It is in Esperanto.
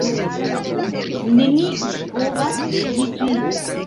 Neniu povas legi ĝin.